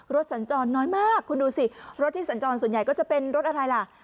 สัญจรน้อยมากคุณดูสิรถที่สัญจรส่วนใหญ่ก็จะเป็นรถอะไรล่ะ